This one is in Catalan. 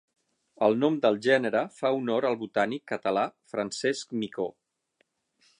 El nom del gènere fa honor al botànic català Francesc Micó.